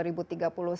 sementara itu kita